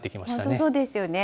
本当、そうですよね。